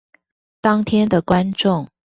當天的觀眾